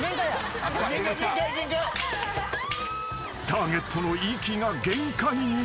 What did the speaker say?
［ターゲットの息が限界に］